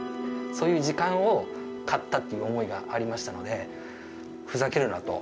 そういう時間を買ったっていう思いがありましたので。